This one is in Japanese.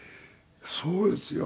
そうですよ。